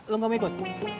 lu gak mau ikut